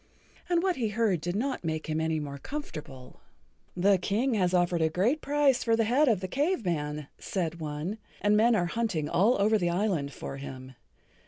And what he heard did not make him any more comfortable. "The King has offered a great price for the head of the Cave Man," said one, "and men are hunting all over the island for him.